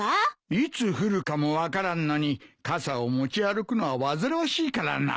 いつ降るかも分からんのに傘を持ち歩くのは煩わしいからな。